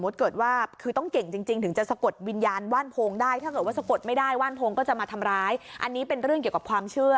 แต่ทีนี้อย่างว่านโพงเนี่ยคือเค้าบอกว่า